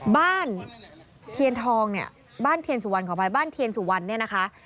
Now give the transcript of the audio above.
บ้านเทียนทองเนี่ยบ้านเทียนสุวรรณขออภัยบ้านเทียนสุวรรณเนี่ยนะคะ